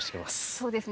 そうですね。